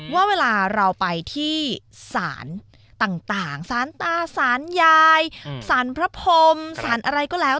ว่าเวลาเราไปที่ศาลต่างสารตาสารยายสารพระพรมสารอะไรก็แล้ว